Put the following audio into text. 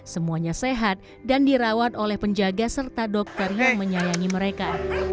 semuanya sehat dan dirawat oleh penjaga serta dokter yang menyayangi mereka